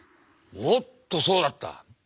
おっとそうだった。